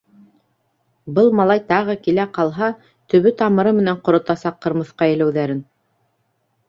Был малай тагы килә ҡалһа, төбө-тамыры менән ҡоротасаҡ ҡырмыҫҡа иләүҙәрен!